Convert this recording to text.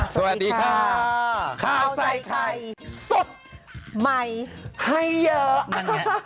สวัสดีค่ะข้าวใส่ไข่สดใหม่ให้เยอะนะฮะ